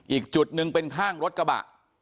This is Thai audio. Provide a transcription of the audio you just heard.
อีกจุดหนึ่งเป็นข้างรถกระบะ